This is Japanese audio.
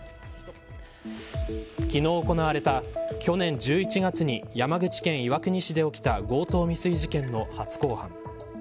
昨日行われた去年１１月に山口県岩国市で起きた強盗未遂事件の初公判。